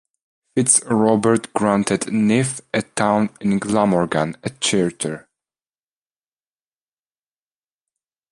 FitzRobert granted Neath, a town in Glamorgan, a charter.